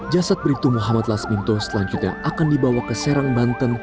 jasad bribtu muhammad lasminto selanjutnya akan dibawa ke serang banten